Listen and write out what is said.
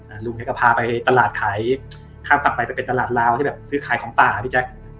ลุงแกก็พาไปตลาดขายข้ามฝั่งไปไปเป็นตลาดลาวที่แบบซื้อขายของป่าอ่ะพี่แจ๊ค